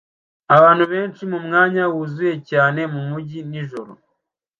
Abantu benshi mumwanya wuzuye cyane mumujyi nijoro